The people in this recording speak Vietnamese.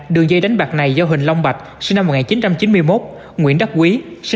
đường dây đánh bạc này do huỳnh long bạch nguyễn đắc quý